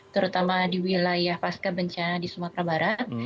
terutama di wilayah pasca bencana di sumatera barat